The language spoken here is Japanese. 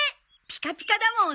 ピカピカだもん。